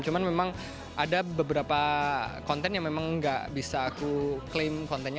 cuman memang ada beberapa konten yang memang gak bisa aku klaim kontennya